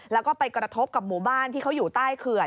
แล้วก็ไปกระทบกับหมู่บ้านที่เขาอยู่ใต้เขื่อน